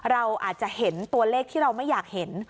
เราอาจจะเห็นตัวเลขที่เราไม่อยากเห็น